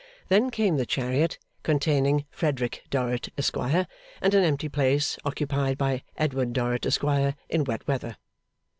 Then came the chariot containing Frederick Dorrit, Esquire, and an empty place occupied by Edward Dorrit, Esquire, in wet weather.